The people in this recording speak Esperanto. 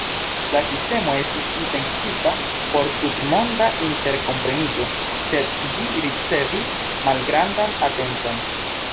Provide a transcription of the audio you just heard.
La sistemo estis intencita por tutmonda interkompreniĝo, sed ĝi ricevis malgrandan atenton.